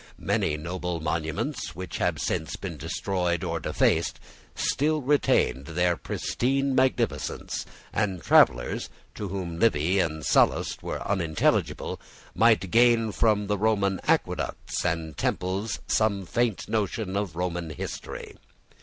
Many noble monuments which have since been destroyed or defaced still retained their pristine magnificence; and travellers, to whom Livy and Sallust were unintelligible, might gain from the Roman aqueducts and temples some faint notion of Roman history.